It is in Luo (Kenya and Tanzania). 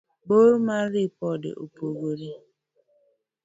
bor mar ripode opogore